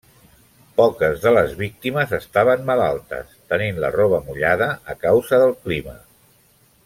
Poques de les víctimes estaven malaltes, tenint la roba mullada a causa del clima.